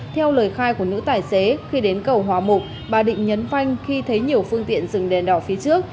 theo lời khai của nữ tài xế khi đến cầu hòa mục bà định nhấn phanh khi thấy nhiều phương tiện dừng đèn đỏ phía trước